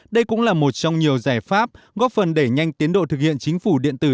đây cũng là một trong nhiều giải pháp góp phần đẩy nhanh tiến độ thực hiện chính phủ điện tử